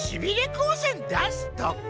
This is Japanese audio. こうせんだすとか。